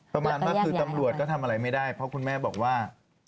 ประมาณว่าคือตำรวจก็ทำอะไรไม่ได้เพราะคุณแม่บอกว่า